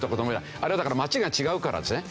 あれはだから町が違うからですね。